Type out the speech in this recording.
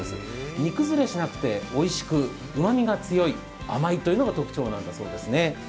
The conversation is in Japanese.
煮崩れしなくて、おいしくうまみが強い、甘いというのが特徴なんだそうですね。